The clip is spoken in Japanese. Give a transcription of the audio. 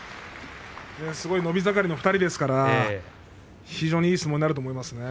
すごい伸び盛りの２人ですから非常にいい相撲になると思いますね。